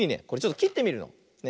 これちょっときってみるの。